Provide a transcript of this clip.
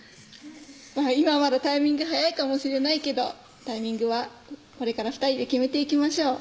「今はまだタイミング早いかもしれないけどタイミングはこれから２人で決めていきましょう」